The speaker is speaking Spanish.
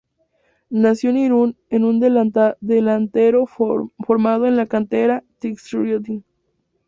Nació en Irún, es un delantero formado en la cantera "txuriurdin".